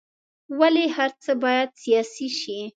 ولې هر څه باید سیاسي شي.